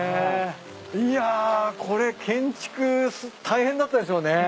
いやこれ建築大変だったでしょうね。